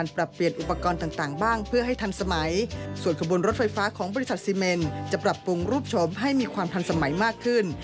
ปรับปรุงรูปชมให้มีความพันธุ์สมัยมากขึ้น